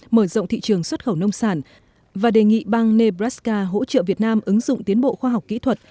mở rộng thị trường xuất khẩu nông sản và đề nghị bang nebraca hỗ trợ việt nam ứng dụng tiến bộ khoa học kỹ thuật